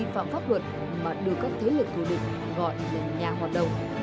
pháp luật mà đưa các thế lực thủ định gọi là nhà hoạt động